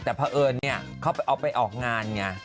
แต่เพราะเอิญเขาไปออกงานเนี่ย